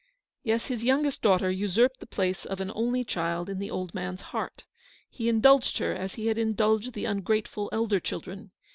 Yes ; his youngest daughter usurped the place of an only child in the old mans heart. He indulged her as he had indulged the ungrateful elder children.